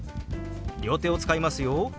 両手を使いますよ。